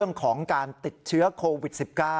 เรื่องของการติดเชื้อโควิด๑๙